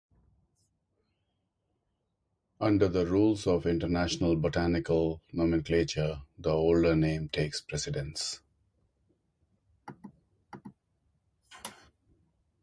Under the rules of international botanical nomenclature, the older name takes precedence.